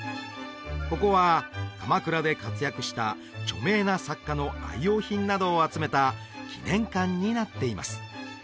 ここは鎌倉で活躍した著名な作家の愛用品などを集めた記念館になっています